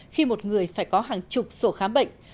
khi một người phải có hàng chục sổ khám bệnh